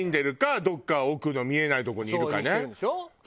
どっか奥の見えないとこにいるかね。